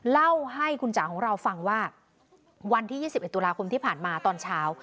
เล่าให้คุณจ๋าของเราฟังว่าวันที่๒๑ตุลาคมที่ผ่านมาตอนเช้า